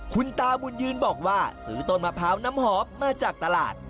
คุณตาบุญยืนบอกว่าซื้อต้นมะพร้าวน้ำหอมมาจากตลาด